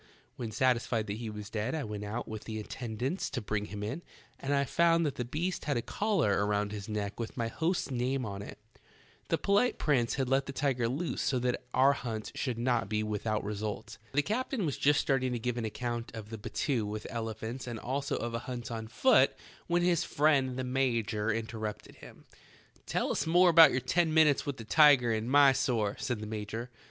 When satisfied that he was dead I went out with the attendants to bring him in, and I found that the beast had a collar around his neck with my host's name on it. The polite prince had let the tiger loose so that our hunt should not be without result." The captain was just starting to give an account of a battue with elephants and also of a hunt on foot when his friend the major interrupted him. "Tell us about your ten minutes with the tiger in Mysore," said the major.